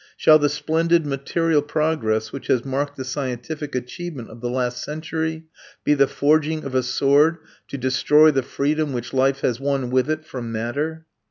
Shall the splendid material progress which has marked the scientific achievement of the last century be the forging of a sword to destroy the freedom which life has won with it from matter?